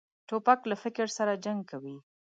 توپک له فکر سره جنګ کوي.